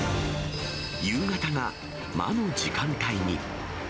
夕方が魔の時間帯に。